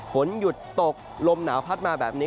ฝนหยุดตกลมหนาวพัดมาแบบนี้